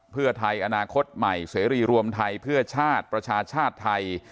เพื่อไทยอนาคตใหม่เสรีรวมไทยเพื่อชาติประชาชาติไทย